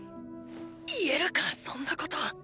言えるかそんなこと！